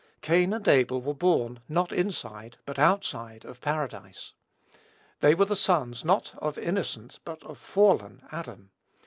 Cain and Abel were born, not inside, but outside of Paradise. They were the sons, not of innocent, but of fallen Adam.